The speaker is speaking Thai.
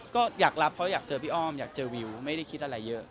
ก็อยากรับเพราะอยากเจอพี่อ้อมอยากเจอวิวไม่ได้คิดอะไรเยอะ